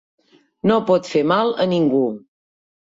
No pot fer mal a ningú.